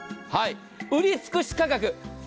売り尽くし価格。